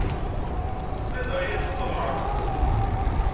Anda ay asent-teɣramt?